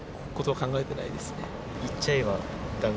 考えてないですね。